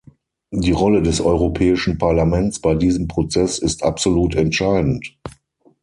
Die Rolle des Europäischen Parlaments bei diesem Prozess ist absolut entscheidend.